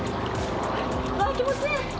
あ気持ちいい！